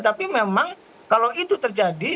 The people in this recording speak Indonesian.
tapi memang kalau itu terjadi